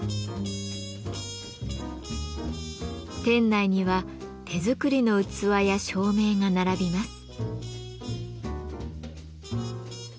店内には手作りの器や照明が並びます。